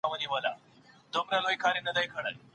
د خاطب کورنۍ لارښووني نه دي هيري کړې.